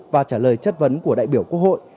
và trả lời chất vấn của đại biểu quốc hội